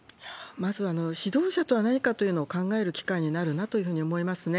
まずは指導者とは何かと考える機会になるなというふうに思いますね。